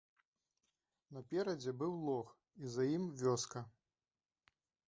Наперадзе быў лог і за ім вёска.